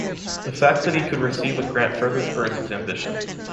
The fact that he could receive a grant further spurs his ambition.